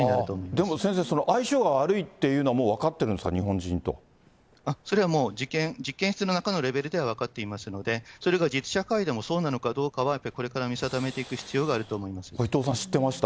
でも先生、その相性が悪いっていうのもう分かってるんですか、それはもう、実験室の中のレベルでは分かっていますので、それが実社会でもそうなのかどうかは、これから見定めていく必要伊藤さん、知ってました？